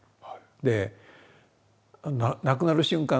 で亡くなる瞬間